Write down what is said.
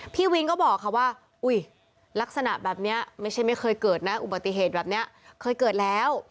พี่วินก็บอกค่ะว่าอุ้ยลักษณะแบบนี้ไม่ใช่ไม่เคยเกิดนะอุบัติเหตุแบบนี้เคยเกิดแล้ว